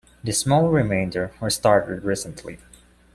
The small remainder were started recently.